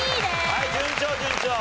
はい順調順調！